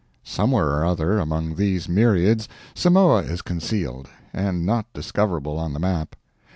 Somewhere or other among these myriads Samoa is concealed, and not discoverable on the map.